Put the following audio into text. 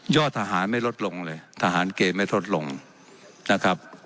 ทหารไม่ลดลงเลยทหารเกณฑ์ไม่ลดลงนะครับ